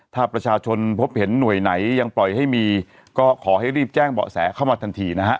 ถ้าประชาชนพบเห็นหน่วยไหนยังปล่อยให้มีก็ขอให้รีบแจ้งเบาะแสเข้ามาทันทีนะฮะ